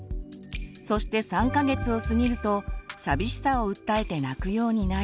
そして３か月を過ぎるとさびしさを訴えて泣くようになり。